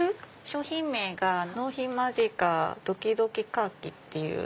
商品名が「納品ＭＡＪＩか／ドキドキカーキ」っていう。